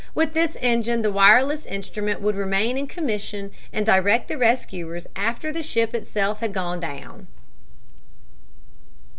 With this engine the wireless instrument would remain in commission and direct the rescuers after the ship itself had gone down.